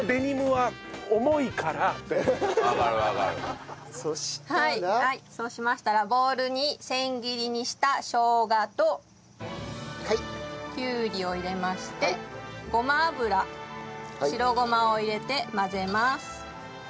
はいそうしましたらボウルに千切りにした生姜ときゅうりを入れましてごま油白ごまを入れて混ぜます。